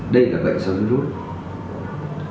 đây là bệnh sau virus